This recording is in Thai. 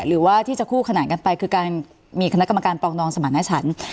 หรือว่าที่จะคู่ขนานกันไปคือการมีคณะกรรมการปรองดองสมรรถฉัน